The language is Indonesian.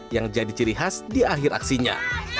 yang jadi ciri khas di akhir aksinya